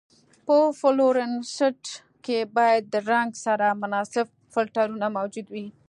په فلورسنټ کې باید د رنګ سره مناسب فلټرونه موجود وي.